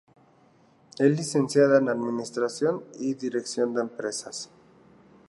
Es licenciada en Administración y dirección de empresas.